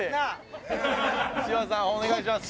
芝さんお願いします。